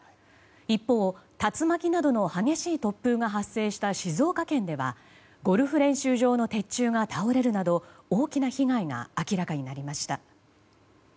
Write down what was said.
一方、竜巻などの激しい突風が発生した静岡県ではゴルフ練習場の鉄柱が倒れるなど大きな被害が明らかになりました。